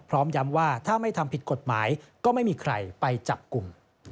พร้อมย้ำว่าถ้าไม่ทำผิดกฎหมายก็ไม่มีใครไปจับกลุ่ม